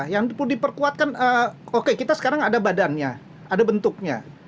yang perlu diperkuatkan oke kita sekarang ada badannya ada bentuknya